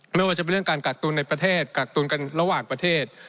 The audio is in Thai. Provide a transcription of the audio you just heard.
ไม่ว่าจะเป็นเรื่องการกักตุนในประเทศกักตุนกันระหว่างประเทศ